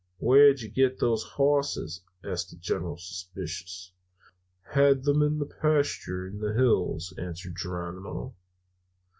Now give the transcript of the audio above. "'Where'd you get those hosses?' asks the General, suspicious. "'Had 'em pastured in the hills,' answers Geronimo.